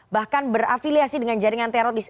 bahkan berafiliasi dengan jaringan teroris